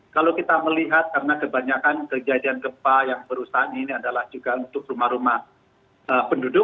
kalau kita melihat karena kebanyakan kejadian gempa yang berusaha ini adalah juga untuk rumah rumah penduduk